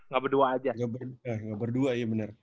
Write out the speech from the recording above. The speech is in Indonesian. gak berdua ya bener